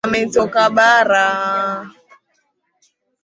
Mpenzi wangu ametoka bara.